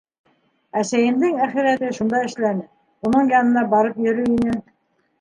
Әсәйемдең әхирәте шунда эшләне, уның янына барып йөрөй инем.